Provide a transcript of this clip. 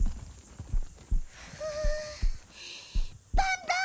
ふうバンバン！